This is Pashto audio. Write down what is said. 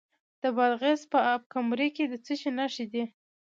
د بادغیس په اب کمري کې د څه شي نښې دي؟